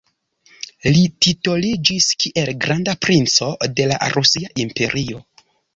Li titoliĝis kiel granda princo de la Rusia Imperio.